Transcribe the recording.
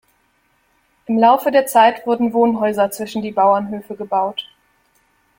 Im Laufe der Zeit wurden Wohnhäuser zwischen die Bauernhöfe gebaut.